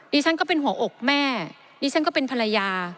ฉันก็เป็นหัวอกแม่ดิฉันก็เป็นภรรยา